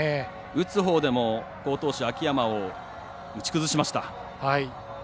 打つほうでも好投手、秋山を打ち崩しました。